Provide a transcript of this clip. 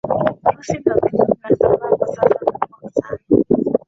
virusi vya ukimwi vinasambaa kwa kasi kubwa sana